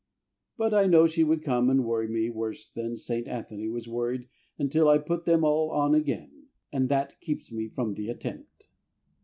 But I know she would come and worry me worse than St. Anthony was worried until I put them all on again, and that keeps me from the attempt.